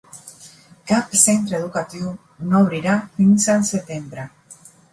Cap centre educatiu no obrirà fins al setembre.